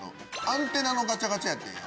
アンテナのガチャガチャやってんや。